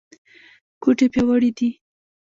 ګوډې پیاوړې دي.